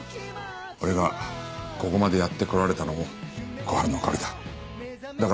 俺がここまでやってこられたのも小春のおかげだ。